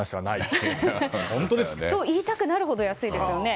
そう言いたくなるほど安いですよね。